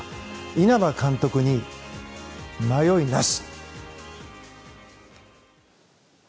稲葉監督に迷いなし。